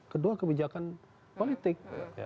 kedua kebijakan politik